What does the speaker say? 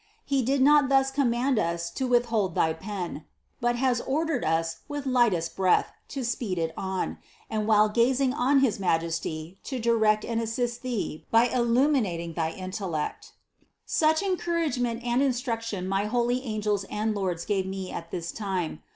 He did not thus command us to withhold thy pen, but has ordered us with lightest breath to speed it on, and while gazing on his Majesty, to direct and assist thee by illuminating thy intellect." 9. Such encouragement and instruction my holy angels and lords gave me at this time.